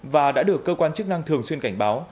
và đã được cơ quan chức năng thường xuyên cảnh báo